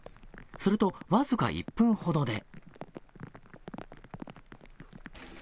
すると、僅か１分ほどで。